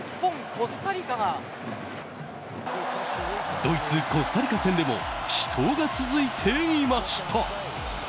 ドイツ、コスタリカ戦でも死闘が続いていました。